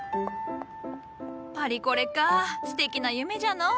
パリコレかすてきな夢じゃのう！